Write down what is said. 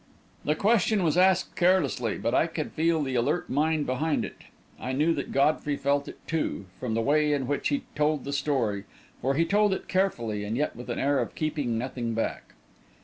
The question was asked carelessly, but I could feel the alert mind behind it. I knew that Godfrey felt it, too, from the way in which he told the story, for he told it carefully, and yet with an air of keeping nothing back.